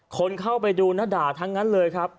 คนเข้าไปดูนะด่าทั้งนั้นเลยครับ